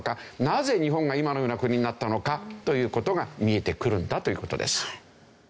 なぜ日本が今のような国になったのか？という事が見えてくるんだという事です。